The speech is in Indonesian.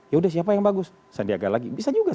ya udah siapa yang bagus sandiaga lagi bisa juga